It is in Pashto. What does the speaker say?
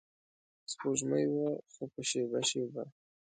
سپوږمۍ وه خو په شیبه شیبه